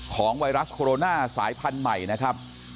ไวรัสโคโรนาสายพันธุ์ใหม่นะครับ